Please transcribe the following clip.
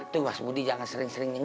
tuh mas budi jangan sering sering ini